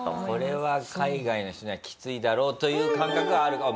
これは海外の人にはきついだろうという感覚はある。